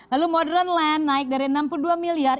lalu modern land naik dari enam puluh dua miliar